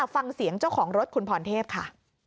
ฟังเสียงเจ้าของรถคุณพรเทพค่ะ